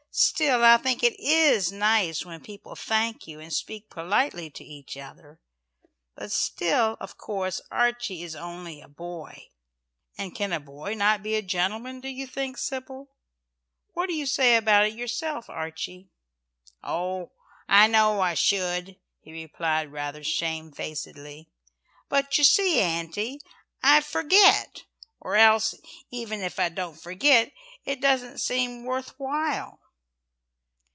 Still I think it is nice when people thank you and speak politely to each other. But still, of course, Archie is only a boy." "And can a boy not be a gentleman, do you think, Sybil? What do you say about it yourself, Archie?" "Oh, I know I should," he replied rather shamefacedly, "but you see, Auntie, I forget, or else even if I don't forget, it doesn't seem worth while."